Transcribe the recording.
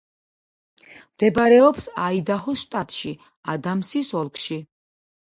მდებარეობს აიდაჰოს შტატში, ადამსის ოლქში.